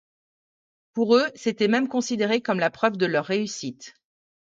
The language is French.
Pour eux, c'était même considéré comme la preuve de leur réussite.